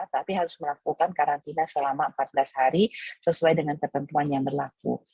tapi harus melakukan karantina selama empat belas hari sesuai dengan ketentuan yang berlaku